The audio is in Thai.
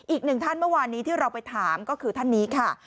อีกหนึ่งท่านเมื่อวานนี้ที่เราไปถามก็คือท่านนี้ค่ะ